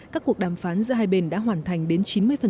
các cuộc đàm phán giữa hai bên đã hoàn thành đến chín mươi